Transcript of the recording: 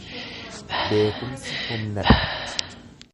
Beekumsi humna dha.